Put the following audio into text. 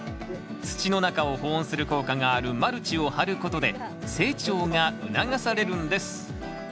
土の中を保温する効果があるマルチを張ることで成長が促されるんです